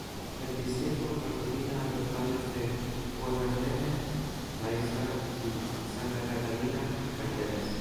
El distrito aglutina a los barrios de Guanarteme, La Isleta y Santa Catalina-Canteras.